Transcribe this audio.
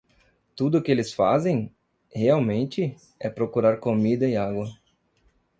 Tudo o que eles fazem? realmente? é procurar comida e água.